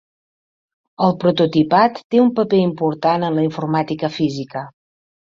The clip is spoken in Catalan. El prototipat té un paper important en la informàtica física.